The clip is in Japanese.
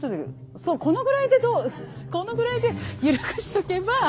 そうこのぐらいでこのぐらいでゆるくしとけば。